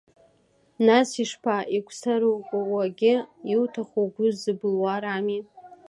Нас ишԥа, игәцараукуагьы иуҭаху, угәы ззыбылуа рами!